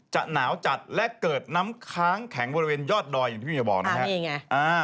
หนาวจัดและเกิดน้ำค้างแข็งบริเวณยอดดอยอย่างที่พี่เมียบอกนะครับ